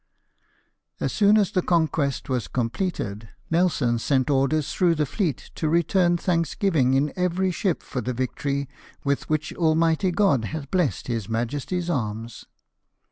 As soon as the conquest was completed, Nelson sent orders through the fleet to return thanksgiving in every ship for the victory with which Almighty God had blessed his Majesty's arms.